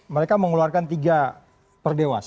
mereka mengeluarkan tiga per dewas